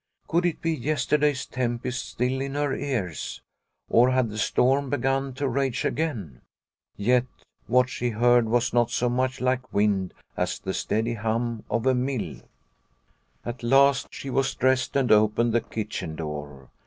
Could it be yesterday's tempest still in her ears ? or had the storm be gun to rage again ? Yet what she heard was not so much like wind as the steady hum of a mill. At last she was dressed and opened the kitchen door.